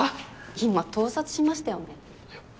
今盗撮しましたよね？